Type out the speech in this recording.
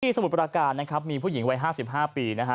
สมุทรประการนะครับมีผู้หญิงวัย๕๕ปีนะฮะ